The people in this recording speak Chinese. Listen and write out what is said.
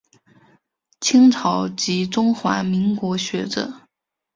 清朝及中华民国学者。